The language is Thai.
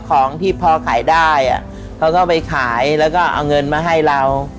ของที่พอขายได้เขาก็ไปขายแล้วก็เอาเงินมาให้เรา